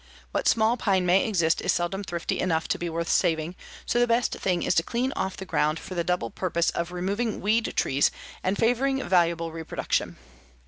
What small pine may exist is seldom thrifty enough to be worth saving, so the best thing is to clean off the ground for the double purpose of removing weed trees and favoring valuable reproduction.